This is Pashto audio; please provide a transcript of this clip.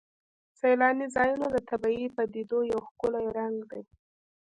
سیلاني ځایونه د طبیعي پدیدو یو ښکلی رنګ دی.